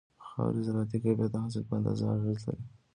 د خاورې زراعتي کيفيت د حاصل په اندازه اغېز لري.